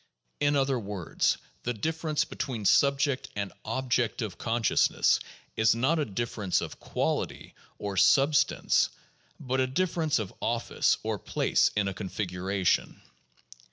In other words, the difference between subject and object of consciousness is not a difference of quality or substance, but a difference of office or place in a configuration.